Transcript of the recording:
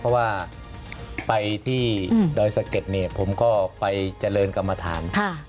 เพราะว่าไปที่ดอยสะเก็ดเนี่ยผมก็ไปเจริญกรรมฐาน